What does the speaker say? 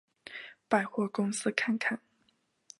百货公司看看